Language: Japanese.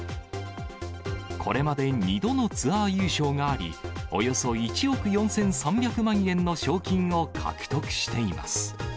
これまで２度のツアー優勝があり、およそ１億４３００万円の賞金を獲得しています。